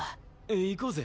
行こうぜ。